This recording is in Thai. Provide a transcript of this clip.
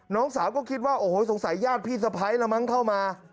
น้องสาวก็คิดว่าโอ้โหสงสัยญาติพี่สะพ้ายแล้วมั้งเข้ามา